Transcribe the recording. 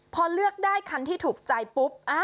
พอเลือกได้คันที่ถูกใจปุ๊บ